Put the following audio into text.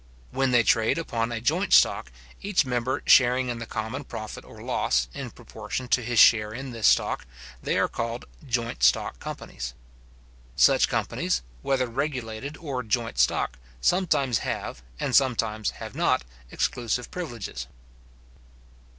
When they trade upon a joint stock, each member sharing in the common profit or loss, in proportion to his share in this stock, they are called joint stock companies. Such companies, whether regulated or joint stock, sometimes have, and sometimes have not, exclusive privileges.